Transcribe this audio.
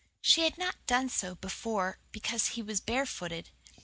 She had not done so before because he was barefooted.